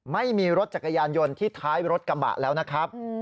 ไม่มีรถจักรยานยนต์ที่ท้ายรถกระบะแล้วนะครับ